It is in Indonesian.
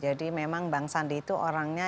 jadi memang bang sandi itu orangnya